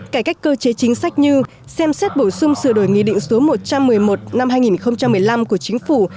cải cách cơ chế chính sách như xem xét bổ sung sửa đổi nghị định số một trăm một mươi một năm hai nghìn một mươi năm của chính phủ